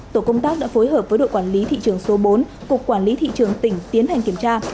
tổ công tác đã phối hợp với đội quản lý thị trường số bốn cục quản lý thị trường tỉnh tiến hành kiểm tra